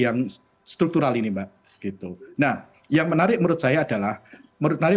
menyamakan di apa yang struktural ini mbak gitu nah yang menarik menurut saya adalah menarik